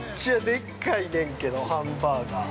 ◆でっかいねんけどハンバーガー。